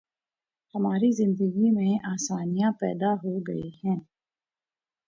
ہماری زندگی میں آسانیاں پیدا ہو گئی ہیں۔